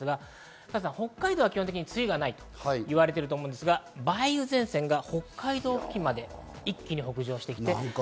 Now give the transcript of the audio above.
北海道は基本的に梅雨がないと言われていますが、梅雨前線が北海道付近まで一気に北上してきて。